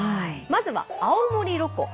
まずは青森ロコ